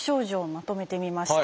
まとめてみました。